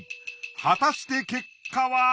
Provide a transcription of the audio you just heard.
果たして結果は！？